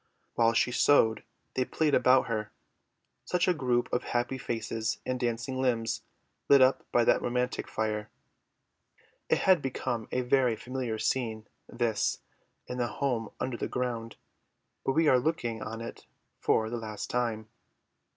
While she sewed they played around her; such a group of happy faces and dancing limbs lit up by that romantic fire. It had become a very familiar scene, this, in the home under the ground, but we are looking on it for the last time.